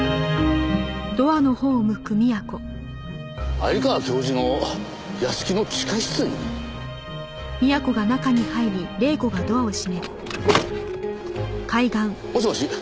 鮎川教授の屋敷の地下室に？もしもし？